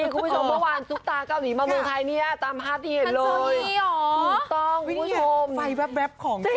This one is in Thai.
ผู้ชมบันไหนส่องไฟแวบแวบ